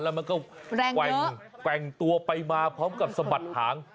แล้วมันก็แกว่งตัวไปมาพร้อมกับสะบัดหาง